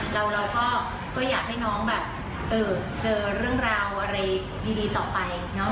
เราก็อยากให้น้องแบบเจอเรื่องราวอะไรดีต่อไป